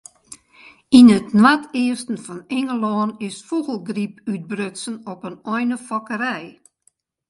Yn it noardeasten fan Ingelân is fûgelgryp útbrutsen op in einefokkerij.